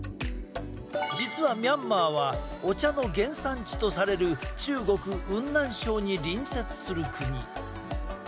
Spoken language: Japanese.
実はミャンマーはお茶の原産地とされる中国・雲南省に隣接する国。